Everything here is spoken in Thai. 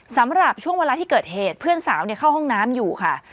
สำหรับช่วงเวลาที่เกิดเหตุเพื่อนสาวเข้าห้องน้ำอยู่ค่ะ